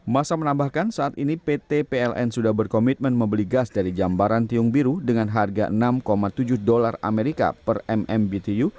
masa menambahkan saat ini pt pln sudah berkomitmen membeli gas dari jambaran tiung biru dengan harga enam tujuh dolar amerika per mmbtu